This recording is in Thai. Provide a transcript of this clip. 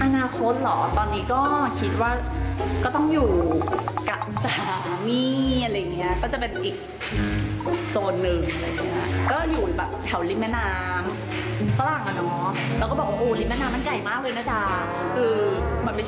อนาคตเหรอตอนนี้ก็คิดว่า